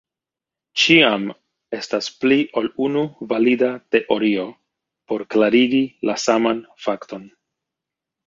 Ĉiam estas pli ol unu valida teorio por klarigi la saman fakton.